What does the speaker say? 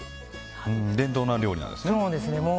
伝統の料理なんですね。